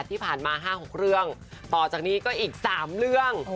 ที่ผ่านมา๕๖เรื่องต่อจากนี้ก็อีก๓เรื่อง